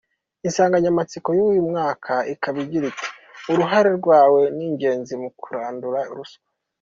Insanganyamatsiko y’uyu mwaka ikaba igira iti “uruhare rwawe ni ingenzi mu kurandura ruswa".